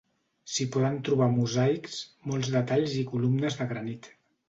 S'hi poden trobar mosaics, molts detalls i columnes de granit.